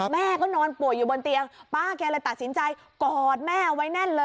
แม่ก็นอนป่วยอยู่บนเตียงป้าแกเลยตัดสินใจกอดแม่เอาไว้แน่นเลย